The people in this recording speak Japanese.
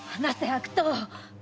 悪党？